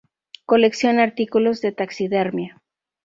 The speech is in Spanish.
Colecciona artículos de taxidermia.